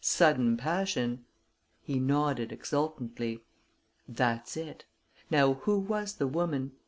"Sudden passion." He nodded exultantly. "That's it. Now, who was the woman?